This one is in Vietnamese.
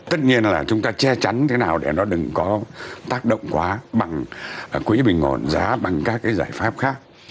tất nhiên là chúng ta che chắn thế nào để nó đừng có tác động quá bằng quỹ bình ổn giá bằng các cái giải pháp khác